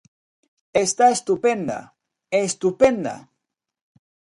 ¡Está estupenda!, ¡estupenda!